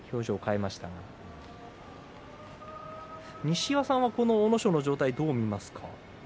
西岩さん、阿武咲の状態どう見ますか？